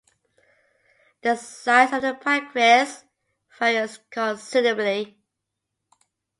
The size of the pancreas varies considerably.